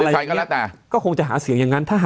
แล้วก็คงจะหาเสียงอย่างนั้น